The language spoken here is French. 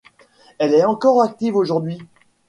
Elle est encore active aujourd’hui.